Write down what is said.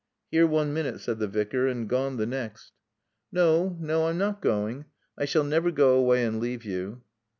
"Here one minute," said the Vicar, "and gone the next." "No no. I'm not going. I shall never go away and leave you."